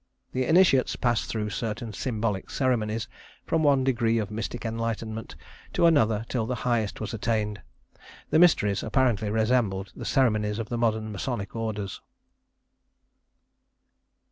The initiates passed through certain symbolic ceremonies from one degree of mystic enlightenment to another till the highest was attained. The Mysteries apparently resembled the ceremonies of the modern masonic orders.